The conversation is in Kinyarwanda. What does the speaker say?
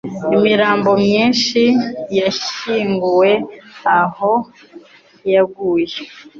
Imirambo myinshi yashyinguwe aho yaguye.